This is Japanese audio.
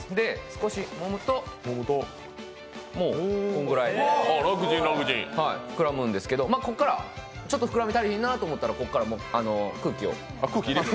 少しもむと、もうこんぐらい膨らむんですけれどもここから、ちょっと膨らみ、足りひんなって思ったら空気を。